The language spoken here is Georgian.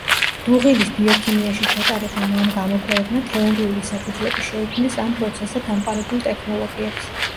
დუღილის ბიოქიმიაში ჩატარებულმა ამ გამოკვლევებმა თეორიული საფუძვლები შეუქმნეს ამ პროცესზე დამყარებულ ტექნოლოგიებს.